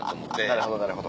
なるほどなるほど。